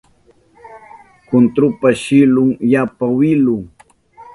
Kuntrupa shillun yapa wilu